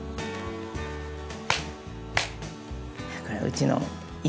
「これはうちの犬」